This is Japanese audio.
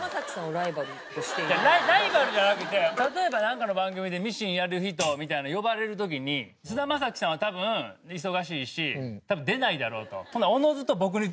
ライバルじゃなくて例えばなんかの番組でミシンやる人みたいなの呼ばれる時に菅田将暉さんは多分忙しいし出ないだろうと。